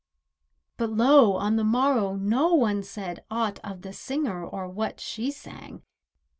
But lo! on the morrow no one said Aught of the singer or what she sang.